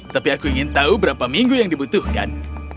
tapi aku ingin tahu berapa minggu yang dibutuhkan